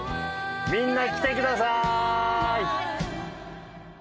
みんな来てください！